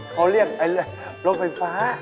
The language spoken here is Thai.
เค้าเรียกไอรถไฟฟ้า